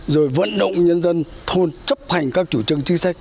rồi vận động nhân dân thôn chấp hành các chủ trương chính sách